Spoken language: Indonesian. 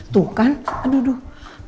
tuh kan aduh aduh